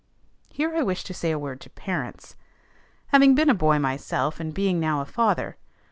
Here I wish to say a word to parents having been a boy myself, and being now a father.